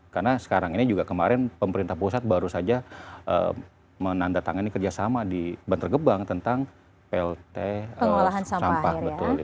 karena sekarang ini juga kemarin pemerintah pusat baru saja menandatangani kerjasama di banter gebang tentang plt sampah